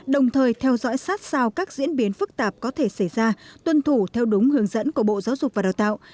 đồng thời theo dõi sát sao các diễn biến phức tạp có thể xảy ra tuân thủ theo đúng hướng dẫn của bộ giáo dục và đào tạo